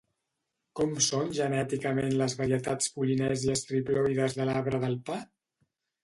Com són genèticament les varietats polinèsies triploides de l'arbre del pa?